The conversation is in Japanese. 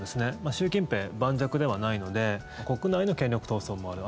習近平、盤石ではないので国内の権力闘争もある。